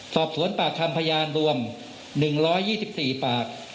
สอบสวนปากคำพยานรวม๑๒๔ปาก